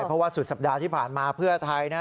เพราะว่าสุดสัปดาห์ที่ผ่านมาเพื่อไทยนะ